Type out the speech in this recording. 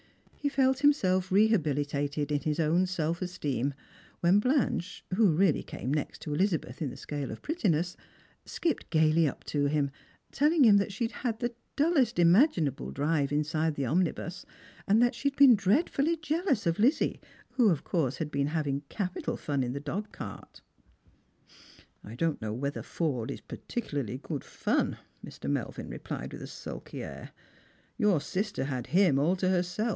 He felt himself rehabilitated in his own self esteem when Blanche, who really came next_ to Elizabeth in the scale of prettiness, skipped gaily up to bim, telling him that she had had the dullest imaginable drive inside the omnibus, and that she had been dreadfully jealous of Lizzie, who of course had been having capital fun in the doo; cart. " I don't know whether Forde is particularly good fun," Mr Slranyers and Pilgrims. 57 Melvia replied with a sulky air. "Tour sister had /tn;i all to herself.